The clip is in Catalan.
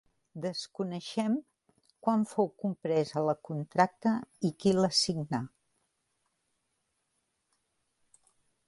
Desconeixem quan fou compresa la contracta i qui la signà.